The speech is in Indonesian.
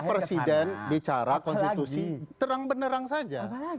presiden bicara konstitusi terang benerang saja